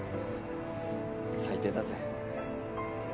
最低だぜ。